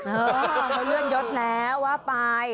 เออเขาเลื่อนยดแล้วว่าไป